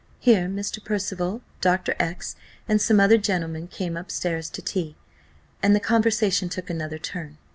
Here Mr. Percival, Dr. X , and some other gentlemen, came up stairs to tea, and the conversation took another turn.